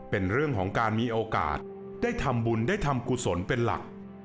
เป็นเรื่องของการมีโอกาสได้ทำบุญได้ทำกุศลเป็นหลัก